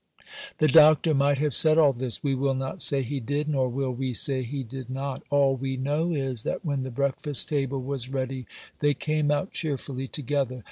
The Doctor might have said all this, we will not say he did, nor will we say he did not; all we know is, that when the breakfast table was ready they came out cheerfully together.